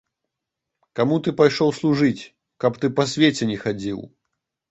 Каму ты пайшоў служыць, каб ты па свеце не хадзіў!